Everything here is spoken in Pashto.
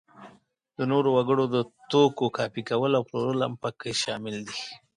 د نورو وګړو د توکو کاپي کول او پلورل هم په کې شامل دي.